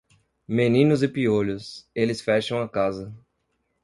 Meninos e piolhos, eles fecham a casa.